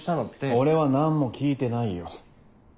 俺は何も聞いてないよ。